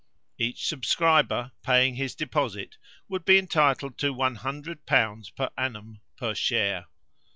Each subscriber, paying his deposit, would be entitled to 100l. per annum per share.